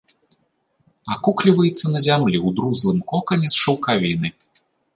Акукліваецца на зямлі ў друзлым кокане з шаўкавіны.